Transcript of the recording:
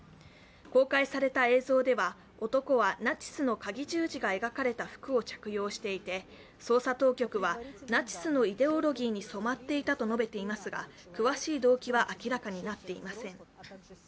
公開された映像では、男はナチスのかぎ十字が描かれた服を着用していて捜査当局は、ナチスのイデオロギーに染まっていたと述べていますが詳しい動機は明らかになっていません。